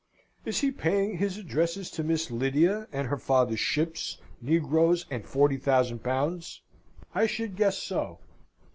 Is he paying his addresses to Miss Lydia, and her father's ships, negroes, and forty thousand pounds? I should guess so.